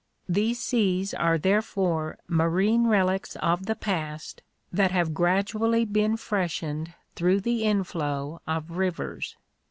These seas are therefore marine relics of the past that have gradually been freshened through the inflow of rivers."